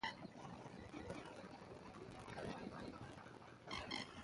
The site is wooded and contains two lakes.